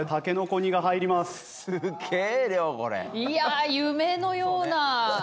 いやあ夢のような。